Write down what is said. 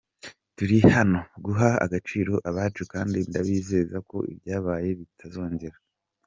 Turi hano guha agaciro abacu kandi ndabizeza ko ibyabaye bitazongera.